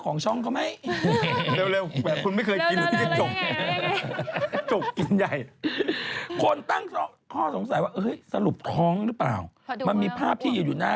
กั้งเกงในเหมือนไม่ถูก